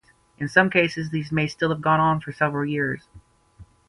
In some cases these may still have gone on for several years.